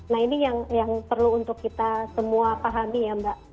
nah ini yang perlu untuk kita semua pahami ya mbak